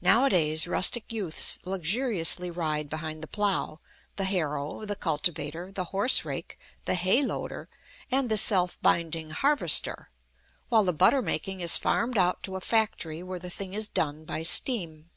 Nowadays, rustic youths luxuriously ride behind the plough, the harrow, the cultivator, the horse rake, the hay loader, and the self binding harvester, while the butter making is farmed out to a factory where the thing is done by steam.